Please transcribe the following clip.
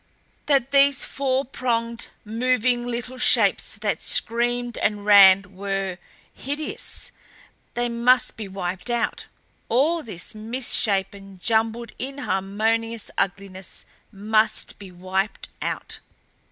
That these four pronged, moving little shapes that screamed and ran were hideous? They must be wiped out! All this misshapen, jumbled, inharmonious ugliness must be wiped out!